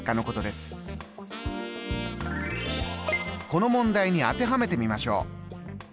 この問題に当てはめてみましょう。